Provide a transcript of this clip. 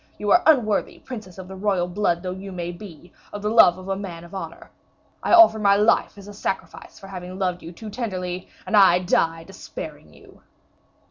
You are unworthy, princess of the royal blood though you may be, of the love of a man of honor; I offer my life as a sacrifice for having loved you too tenderly, and I die despairing you.